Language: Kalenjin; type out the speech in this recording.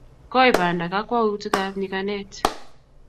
Koi banda, kakwautikab nyikanatet